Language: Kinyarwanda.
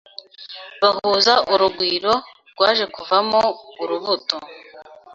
bahuza urugwiro rwaje kuvamo urubuto